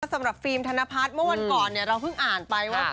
สำหรับฟิล์มธนพัฒน์เมื่อวันก่อนเนี่ยเราเพิ่งอ่านไปว่า